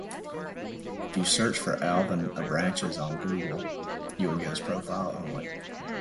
If you search for Alvyn Abranches on Google, you will get his profile only.